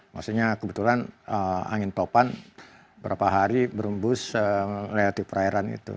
maksudnya kebetulan angin topan berapa hari berembus melewati perairan itu